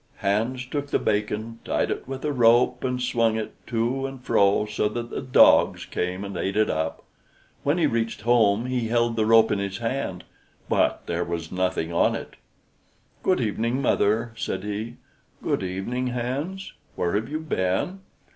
Hans took the bacon, tied it with a rope, and swung it to and fro so that the dogs came and ate it up. When he reached home he held the rope in his hand, but there was nothing on it. "Good evening, mother," said he. "Good evening, Hans. Where have you been?"